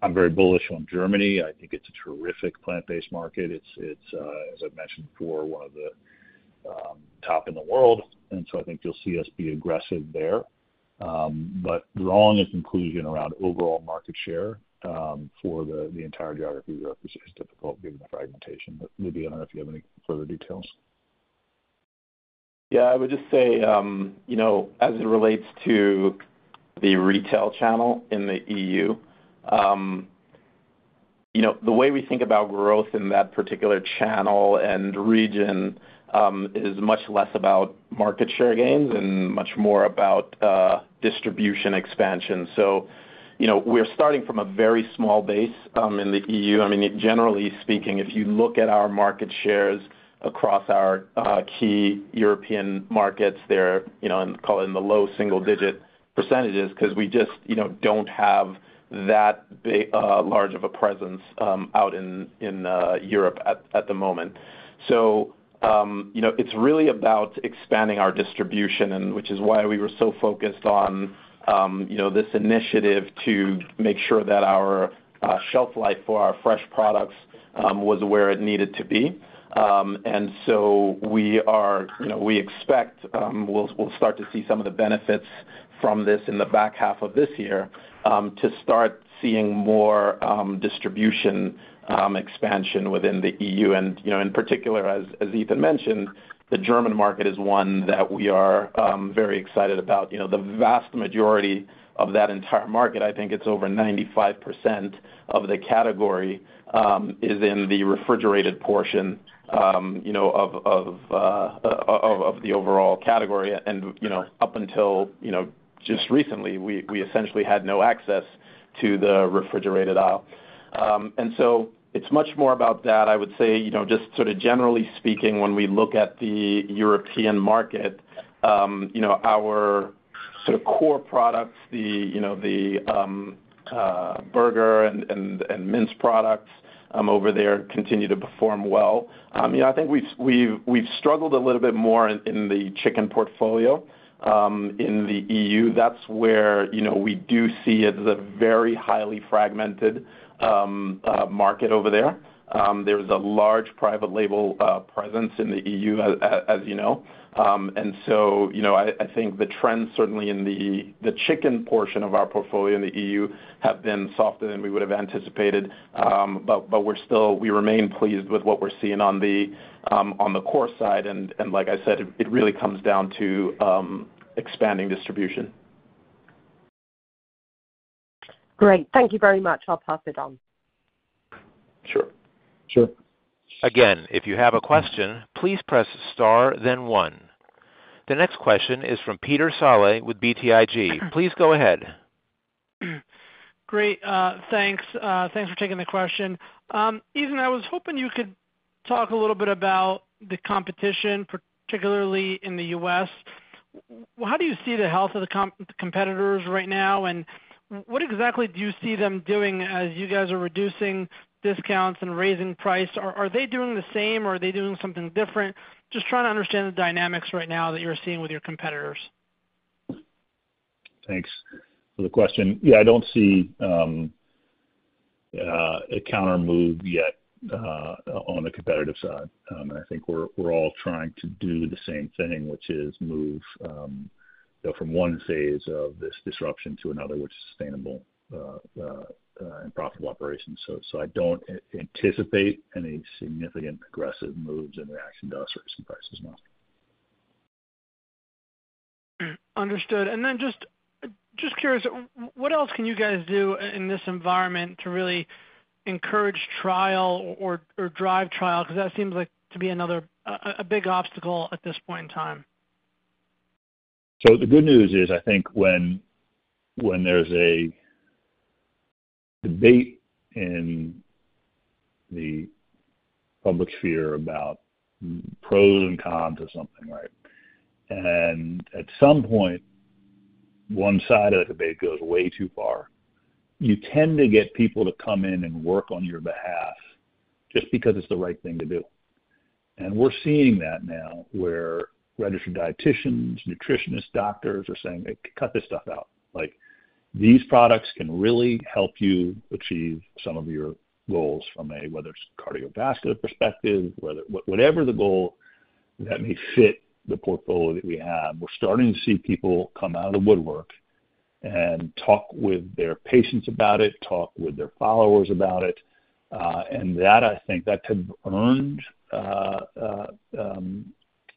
I'm very bullish on Germany. I think it's a terrific plant-based market. It's as I've mentioned before, one of the top in the world, and so I think you'll see us be aggressive there. But drawing a conclusion around overall market share, for the entire geography of Europe is just difficult given the fragmentation. But Lubi, I don't know if you have any further details. Yeah, I would just say, you know, as it relates to the retail channel in the EU, you know, the way we think about growth in that particular channel and region, is much less about market share gains and much more about, distribution expansion. So, you know, we're starting from a very small base, in the EU. I mean, generally speaking, if you look at our market shares across our, key European markets, they're, you know, call it in the low single digit percentages, 'cause we just, you know, don't have that large of a presence, out in, in, Europe at, at the moment. So, you know, it's really about expanding our distribution and which is why we were so focused on, you know, this initiative to make sure that our shelf life for our fresh products was where it needed to be. And so we are, you know, we expect we'll start to see some of the benefits from this in the back half of this year to start seeing more distribution expansion within the EU. And, you know, in particular, as Ethan mentioned, the German market is one that we are very excited about. You know, the vast majority of that entire market, I think it's over 95% of the category, is in the refrigerated portion, you know, of the overall category. You know, up until just recently, we essentially had no access to the refrigerated aisle. And so it's much more about that. I would say, you know, just sort of generally speaking, when we look at the European market, you know, our sort of core products, the burger and mince products over there continue to perform well. You know, I think we've struggled a little bit more in the chicken portfolio in the EU. That's where we do see it as a very highly fragmented market over there. There's a large private label presence in the EU, as you know. And so, you know, I, I think the trends, certainly in the, the chicken portion of our portfolio in the EU, have been softer than we would've anticipated. But, but we're still, we remain pleased with what we're seeing on the, on the core side, and, and like I said, it, it really comes down to, expanding distribution. Great. Thank you very much. I'll pass it on. Sure, sure. Again, if you have a question, please press Star, then one. The next question is from Peter Saleh with BTIG. Please go ahead. Great, thanks. Thanks for taking the question. Ethan, I was hoping you could talk a little bit about the competition, particularly in the U.S. How do you see the health of the competitors right now, and what exactly do you see them doing as you guys are reducing discounts and raising price? Are they doing the same, or are they doing something different? Just trying to understand the dynamics right now that you're seeing with your competitors. Thanks for the question. Yeah, I don't see a countermove yet on the competitive side. I think we're all trying to do the same thing, which is move you know from one phase of this disruption to another, which is sustainable and profitable operations. So I don't anticipate any significant aggressive moves in reaction to us raising prices, no. Understood. And then just curious, what else can you guys do in this environment to really encourage trial or drive trial? Because that seems like to be another, a big obstacle at this point in time. So the good news is, I think when there's a debate in the public sphere about pros and cons of something, right? And at some point, one side of the debate goes way too far. You tend to get people to come in and work on your behalf just because it's the right thing to do. And we're seeing that now, where registered dietitians, nutritionists, doctors are saying, "Hey, cut this stuff out. Like, these products can really help you achieve some of your goals from a, whether it's cardiovascular perspective, whether whatever the goal that may fit the portfolio that we have, we're starting to see people come out of the woodwork and talk with their patients about it, talk with their followers about it, and that I think that has earned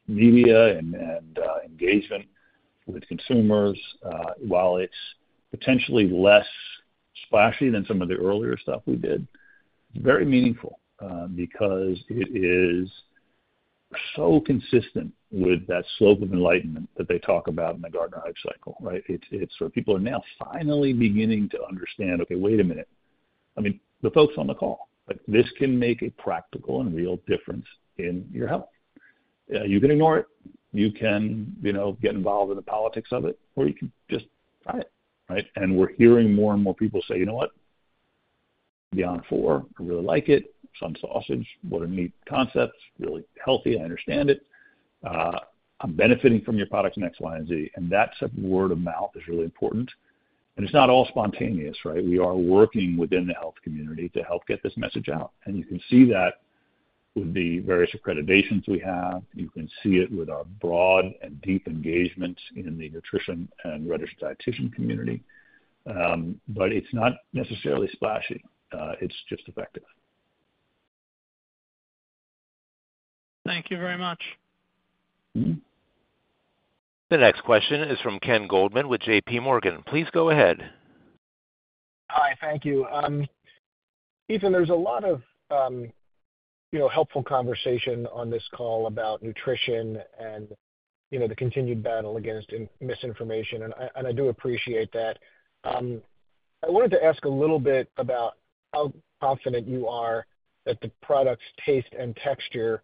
media and engagement with consumers. While it's potentially less splashy than some of the earlier stuff we did, very meaningful, because it is so consistent with that Slope of Enlightenment that they talk about in the Gartner Hype Cycle, right? It's, it's where people are now finally beginning to understand, okay, wait a minute. I mean, the folks on the call, like, this can make a practical and real difference in your health. You can ignore it, you can, you know, get involved in the politics of it, or you can just try it, right? And we're hearing more and more people say, "You know what? Beyond IV, I really like it. Sun Sausage, what a neat concept. It's really healthy, I understand it. I'm benefiting from your products, X, Y, and Z." And that's word of mouth is really important, and it's not all spontaneous, right? We are working within the health community to help get this message out, and you can see that with the various accreditations we have. You can see it with our broad and deep engagement in the nutrition and registered dietitian community. But it's not necessarily splashy, it's just effective. Thank you very much. The next question is from Ken Goldman with JPMorgan. Please go ahead. Hi, thank you. Ethan, there's a lot of, you know, helpful conversation on this call about nutrition and, you know, the continued battle against misinformation, and I, and I do appreciate that. I wanted to ask a little bit about how confident you are that the products, taste and texture,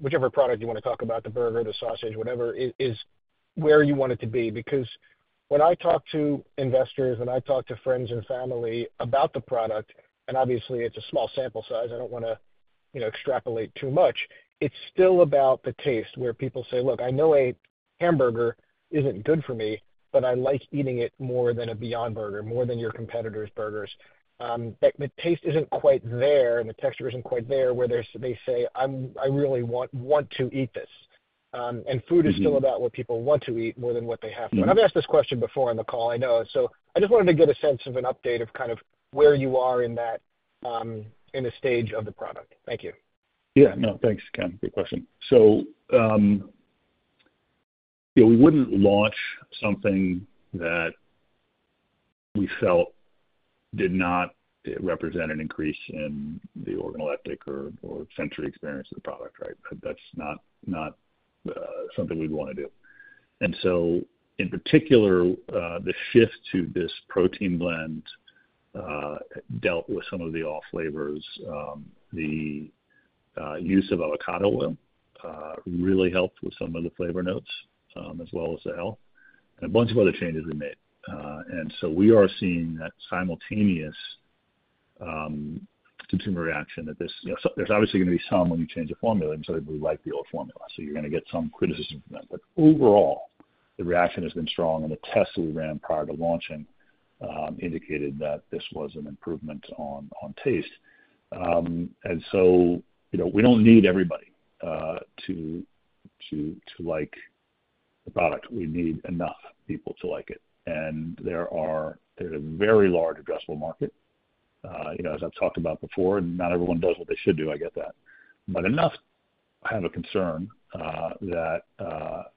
whichever product you wanna talk about, the burger, the sausage, whatever, is where you want it to be. Because when I talk to investors, when I talk to friends and family about the product, and obviously it's a small sample size, I don't wanna, you know, extrapolate too much, it's still about the taste, where people say, "Look, I know a hamburger isn't good for me, but I like eating it more than a Beyond Burger, more than your competitor's burgers." But the taste isn't quite there, and the texture isn't quite there, where they say, "I really want to eat this." And food is still about what people want to eat more than what they have to. I've asked this question before on the call, I know, so I just wanted to get a sense of an update of kind of where you are in that, in the stage of the product. Thank you. Yeah. No, thanks, Ken, good question. So, we wouldn't launch something that we felt did not represent an increase in the organoleptic or sensory experience of the product, right? That's not something we'd wanna do. And so, in particular, the shift to this protein blend dealt with some of the off flavors. The use of avocado oil really helped with some of the flavor notes, as well as the health, and a bunch of other changes we made. And so we are seeing that simultaneous consumer reaction that this, you know. So there's obviously gonna be some when you change a formula, and some people like the old formula, so you're gonna get some criticism from that. But overall, the reaction has been strong, and the tests that we ran prior to launching indicated that this was an improvement on taste. And so, you know, we don't need everybody to like the product. We need enough people to like it. There's a very large addressable market, you know, as I've talked about before, and not everyone does what they should do, I get that. But enough have a concern that,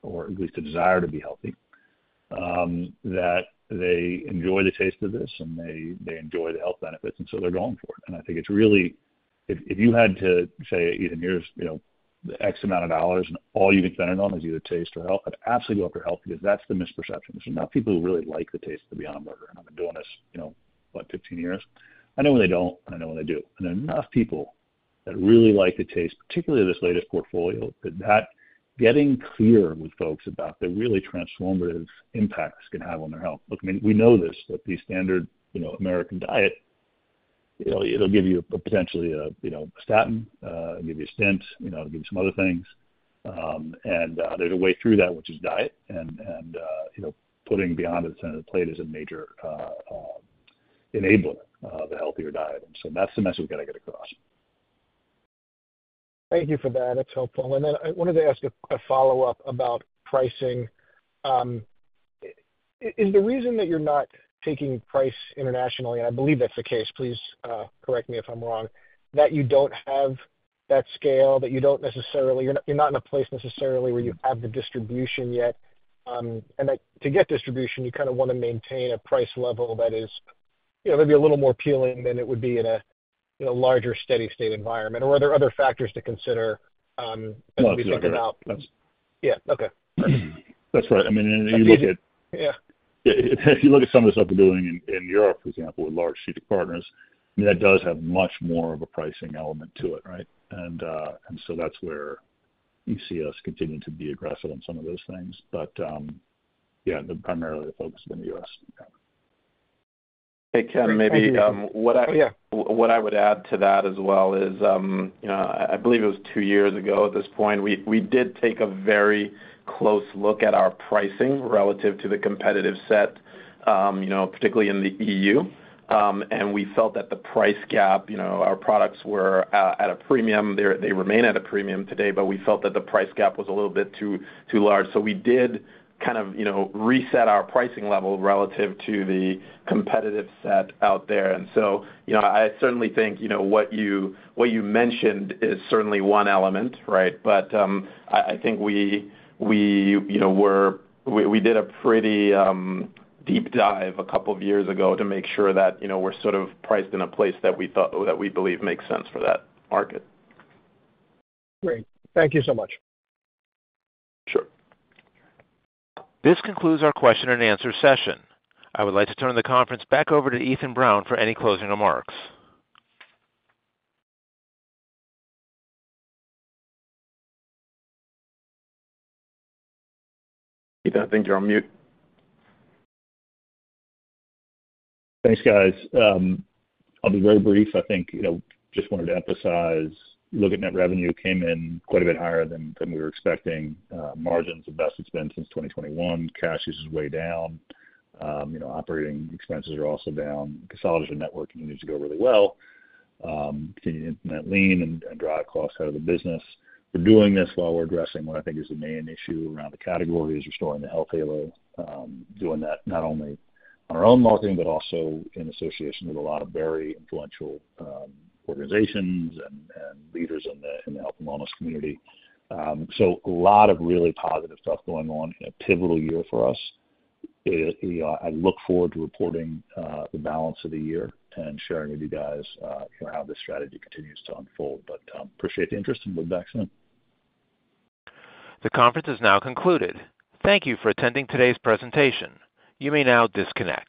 or at least a desire to be healthy, that they enjoy the taste of this, and they enjoy the health benefits, and so they're going for it. I think it's really—if you had to say, even here's, you know, the X amount of dollars, and all you can spend it on is either taste or health, I'd absolutely go after health because that's the misperception. There's enough people who really like the taste of Beyond Burger, and I've been doing this, you know what, 15 years. I know when they don't, and I know when they do. And enough people that really like the taste, particularly of this latest portfolio, that getting clear with folks about the really transformative impacts can have on their health. Look, I mean, we know this, that the standard, you know, American diet, you know, it'll give you potentially a, you know, a statin, it'll give you a stent, you know, it'll give you some other things. There's a way through that, which is diet and you know, putting Beyond the center of the plate is a major enabler of the healthier diet. So that's the message we've got to get across. Thank you for that. That's helpful. And then I wanted to ask a follow-up about pricing. Is the reason that you're not taking price internationally, and I believe that's the case, please correct me if I'm wrong, that you don't have that scale, that you don't necessarily. You're not, you're not in a place necessarily where you have the distribution yet, and that to get distribution, you kind of want to maintain a price level that is, you know, maybe a little more appealing than it would be in a larger, steady state environment, or are there other factors to consider, as we think about- That's right. Yeah. Okay. That's right. I mean, and you look at... If you look at some of the stuff we're doing in Europe, for example, with large chain partners, I mean, that does have much more of a pricing element to it, right? And so that's where you see us continuing to be aggressive on some of those things. But yeah, they're primarily focused in the U.S. Hey, Ken, maybe, what I would add to that as well is, you know, I believe it was two years ago at this point, we, we did take a very close look at our pricing relative to the competitive set, you know, particularly in the EU. And we felt that the price gap, you know, our products were at, at a premium. They're, they remain at a premium today, but we felt that the price gap was a little bit too, too large. So we did kind of, you know, reset our pricing level relative to the competitive set out there. And so, you know, I certainly think, you know, what you, what you mentioned is certainly one element, right? I think we, you know, did a pretty deep dive a couple of years ago to make sure that, you know, we're sort of priced in a place that we thought, or that we believe makes sense for that market. Great. Thank you so much. Sure. This concludes our question and answer session. I would like to turn the conference back over to Ethan Brown for any closing remarks. Ethan, I think you're on mute. Thanks, guys. I'll be very brief. I think, you know, just wanted to emphasize, look at net revenue came in quite a bit higher than, than we were expecting. Margins, the best it's been since 2021. Cash use is way down. You know, operating expenses are also down. Consolidation network continues to go really well. Continuing to implement Lean and drive costs out of the business. We're doing this while we're addressing what I think is the main issue around the category, is restoring the health halo. Doing that not only on our own marketing, but also in association with a lot of very influential organizations and leaders in the health and wellness community. So a lot of really positive stuff going on in a pivotal year for us. You know, I look forward to reporting the balance of the year and sharing with you guys, you know, how this strategy continues to unfold. But, appreciate the interest, and we'll be back soon. The conference is now concluded. Thank you for attending today's presentation. You may now disconnect.